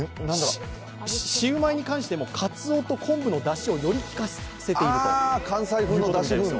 シウマイに関しても、かつおと昆布のだしをよりきかせていると。